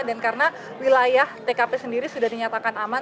karena wilayah tkp sendiri sudah dinyatakan aman